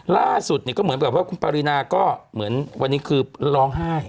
ล่าสุดเนี่ยก็เหมือนแบบว่าคุณปรินาก็เหมือนวันนี้คือร้องไห้